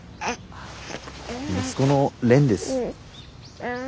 息子の蓮です。